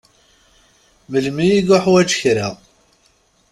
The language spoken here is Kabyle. Melmi i yuḥwaǧ kra.